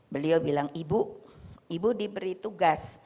beliau bilang ibu ibu diberi tugas